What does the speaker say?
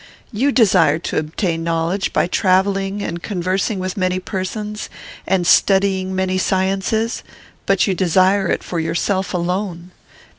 You desire to obtain knowledge, by travelling and conversing with many persons, and studying many sciences; but you desire it for yourself alone.